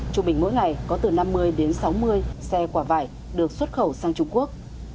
trung bình mỗi ngày có từ năm mươi đến sáu mươi xe quả vải được xuất khẩu sang trung quốc